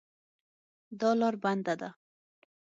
دا لار بنده ده